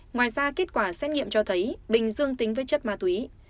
ngoài ra kết quả xét nghiệm cho thấy bình dương tính với chất ma túy